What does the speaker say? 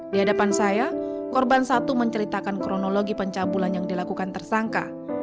di hadapan saya korban satu menceritakan kronologi pencabulan yang dilakukan tersangka